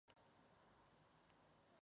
Su buque gemelo era el "Izumo".